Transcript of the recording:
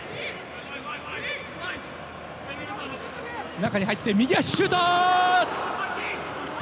中に入って右足シュート！